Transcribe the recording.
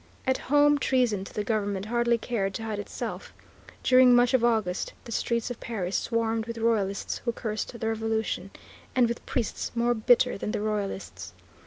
At home treason to the government hardly cared to hide itself. During much of August the streets of Paris swarmed with Royalists who cursed the Revolution, and with priests more bitter than the Royalists.